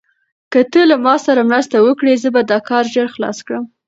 که ته له ما سره مرسته وکړې، زه به دا کار ژر خلاص کړم.